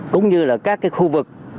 cũng như là các khu vực